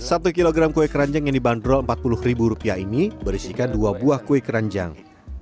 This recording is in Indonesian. satu kilogram kue keranjang yang dibanderol rp empat puluh ini berisikan dua buah kue keranjang